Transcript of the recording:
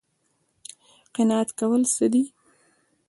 قناعت کول څه دي؟